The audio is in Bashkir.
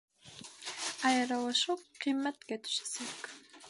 Айырылышыу ҡиммәткә төшәсәк